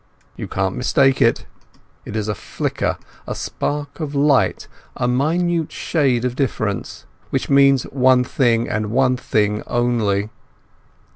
You can't mistake it. It is a flicker, a spark of light, a minute shade of difference which means one thing and one thing only.